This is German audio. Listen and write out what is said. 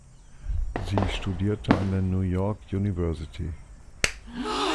Sie studierte an der New York University.